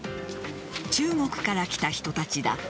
中国から来た人たちだ。